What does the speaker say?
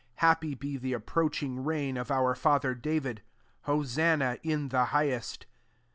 10 Hap py be the approaching reign of our Ether David : Hosanna in the highest."